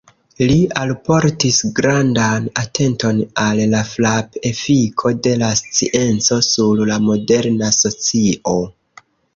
Li alportis grandan atenton al la frap-efiko de la scienco sur la moderna socio.